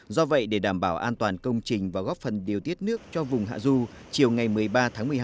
do vậy để đảm bảo an toàn công trình và góp phần điều tiết nước cho vùng hạ du chiều ngày một mươi ba tháng một mươi hai